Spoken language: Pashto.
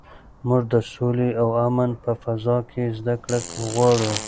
موږ د سولې او امن په فضا کې زده کړه غواړو.